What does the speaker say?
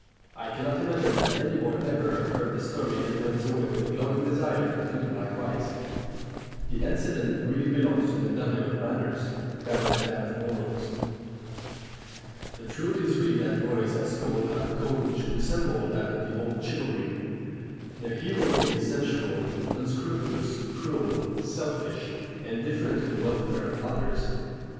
I cannot imagine that any boy ever heard the story and went away with a glowing desire to do likewise. The incident really belongs to the domain of manners rather than to that of morals. The truth is really that boys at school have a code which resembles that of the old chivalry. The hero may be sensual, unscrupulous, cruel, selfish, indifferent to the welfare of others.